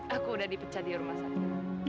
aku udah dipecah di rumah sakit